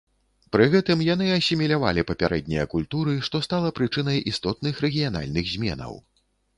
Пры гэтым яны асімілявалі папярэднія культуры, што стала прычынай істотных рэгіянальных зменаў.